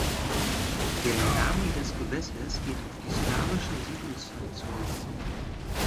Der Name des Gewässers geht auf die slawische Siedlungszeit zurück.